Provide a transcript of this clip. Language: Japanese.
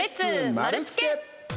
丸つけ！